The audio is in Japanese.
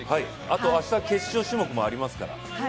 あと、明日、決勝種目もありますから。